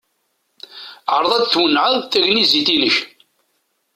Ɛṛeḍ ad twennɛeḍ tagnizit-inek.